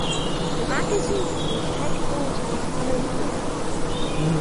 The magazine is headquartered in Tokyo.